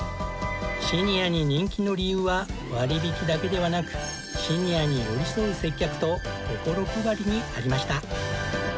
シニアに人気の理由は割引だけではなくシニアに寄り添う接客と心配りにありました。